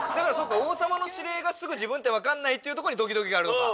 王様の指令がすぐ自分ってわかんないっていうところにドキドキがあるのか。